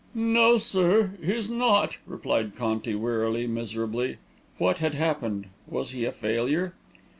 "No, sir, he's not," replied Conti wearily, miserably. What had happened? Was he a failure?